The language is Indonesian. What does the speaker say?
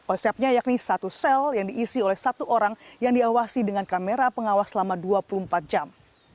konsepnya yakni satu sel yang diisi oleh satu orang yang diawasi dengan kamera pengawas selama dua puluh empat jam